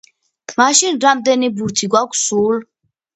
მაშინ, რამდენი ბურთი გვაქვს სულ?